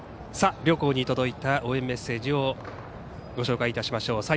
両校に届いた応援メッセージをご紹介いたしましょう。